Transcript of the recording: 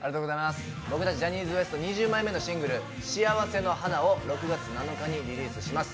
僕たちジャニーズＷＥＳＴ２０枚目のシングル、「しあわせの花」を６月７日にリリースします。